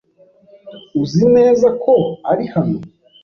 Uzi neza ko ari hano?